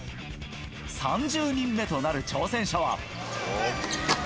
３０人目となる挑戦者は。